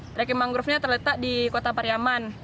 trekking mangrovenya terletak di kota pariaman